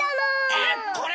えっこれ？